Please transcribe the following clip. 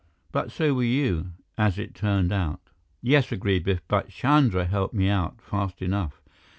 But so were you, as it turned out." "Yes," agreed Biff, "but Chandra helped me out fast enough.